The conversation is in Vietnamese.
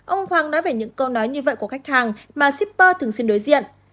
ông hoàng nói về những câu nói như vậy của khách hàng mà shipper thường xuyên đối diện